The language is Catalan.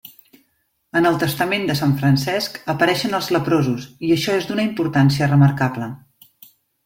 En el Testament de sant Francesc apareixen els leprosos, i això és d'una importància remarcable.